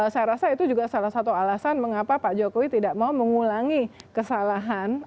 saya rasa itu juga salah satu alasan mengapa pak jokowi tidak mau mengulangi kesalahan